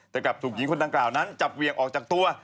แต่กลับถูกหญิงคนดังกล่าวนั้นจับเวียงออกจากตัว